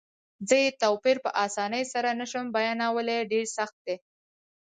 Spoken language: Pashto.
زه یې توپیر په اسانۍ سره نه شم بیانولای، ډېر سخت دی.